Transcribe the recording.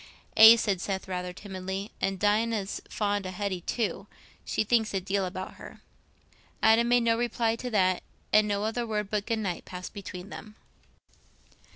"Aye," said Seth, rather timidly, "and Dinah's fond o' Hetty too; she thinks a deal about her." Adam made no reply to that, and no other word but "good night" passed between them.